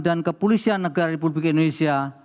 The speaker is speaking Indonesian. dan kepolisian negara republik indonesia